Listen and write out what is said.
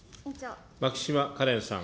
牧島かれんさん。